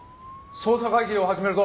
捜査会議を始めるぞ。